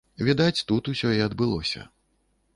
Відаць тут усё і адбылося.